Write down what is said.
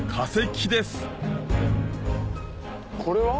これは？